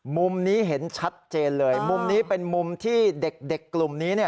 มุมนี้เห็นชัดเจนเลยมุมนี้เป็นมุมที่เด็กกลุ่มนี้